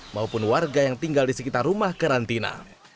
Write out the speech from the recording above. maupun warga yang tinggal di sekitar rumah karantina